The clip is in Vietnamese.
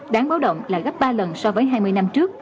đáng báo động là gấp ba lần so với hai mươi năm trước